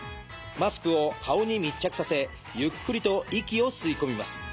マスクを顔に密着させゆっくりと息を吸い込みます。